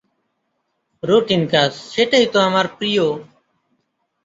Routine কাজ, সেটাই তো আমার প্রিয়।